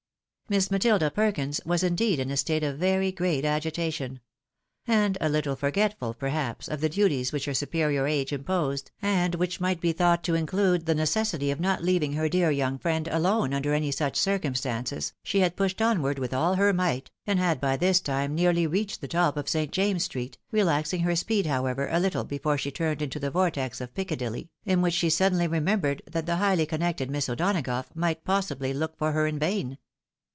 Miss Matilda Perkins was indeed in a state of very great agita tion ; and a little forgetful, perhaps, of the duties which her superior age imposed, and which might be thought to include the necessity of not leaving her dear young friend alone under such circumstances, she had pushed onward with all her might, and had by this time nearly reached the top of St. James's 282 THE WIDOW MAKRIED. street, relaxing her speed, however, a little before she tutoed into the vortex of Piccadilly, in which she suddenly remem bered that the highly connected Miss O'Donagough might pos sibly look for her in vain.